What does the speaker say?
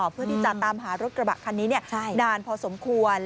เพื่อที่จะตามหารถกระบะคันนี้นานพอสมควร